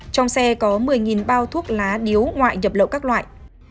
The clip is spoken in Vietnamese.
trong xe có một mươi bao thuốc lá điếu ngoại nhập lậu các loại